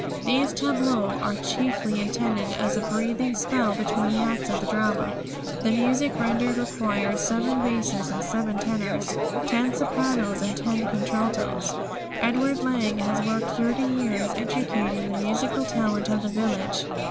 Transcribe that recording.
These tableaux are chiefly intended as a breathing spell between the acts of the drama. The music rendered requires seven basses and seven tenors, ten sopranos and ten contraltos. Edward Lang has worked thirty years educating the musical talent of the village.